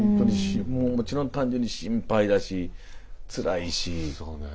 もちろん単純に心配だしつらいし。